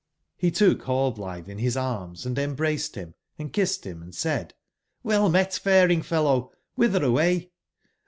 T)c took nallblitbe in bis arms and embraced bim and kissed bim, and said: "(Jlell met faring/fellow? CQbitberaway?"